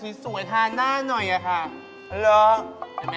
เออเขินไหม